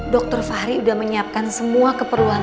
dokter fahri sudah menyiapkan semua keperluan